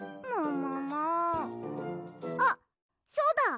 あっそうだ！